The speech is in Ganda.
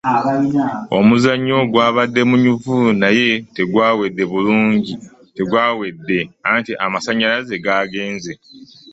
Omuzannyo gwabadde munyuvu naye tegwawedde anti amasannyalaze gaagenze.